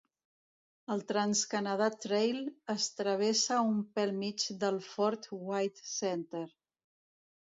El Trans Canada Trail es travessa un pel mig del Fort Whyte Centre.